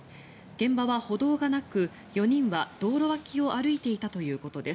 現場は歩道がなく４人は道路脇を歩いていたということです。